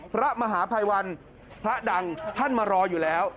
พระมหาภัยวันพระดังท่านมารออยู่แล้ว